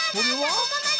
ここまで！